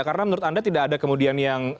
karena menurut anda tidak ada kemudian yang